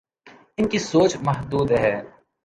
ان کی سوچ محدود ہے۔